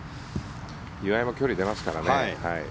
岩井も距離出ますからね。